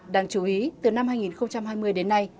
đáng chú ý từ năm hai nghìn hai mươi đến nay